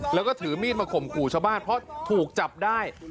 แล้วก็ถือมีดมาข่มขู่ชาวบ้านเพราะถูกจับได้